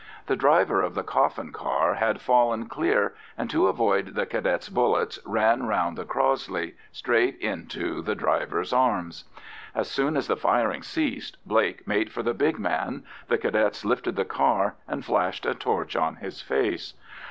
The driver of the coffin car had fallen clear, and, to avoid the Cadets' bullets, ran round the Crossley, straight into the driver's arms. As soon as the firing ceased, Blake made for the big man; the Cadets lifted the car, and flashed a torch on his face.